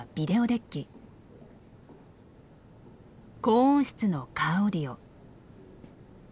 高音質のカーオーディオ。